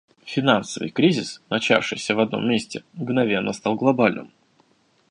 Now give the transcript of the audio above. Финансовый кризис, начавшийся в одном месте, мгновенно стал глобальным.